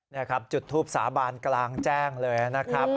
นี่ครับจุดทูปสาบานกลางแจ้งเลยนะครับ